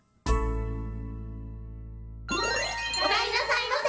お帰りなさいませ。